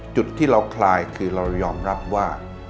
จุดที่เราคลายคือเรายอมรับว่า